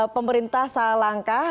pemerintah salah langkah